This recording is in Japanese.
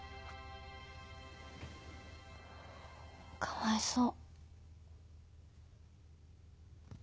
かわいそう。